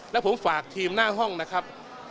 แล้วผมฝากทีมหน้าห้องนะครับ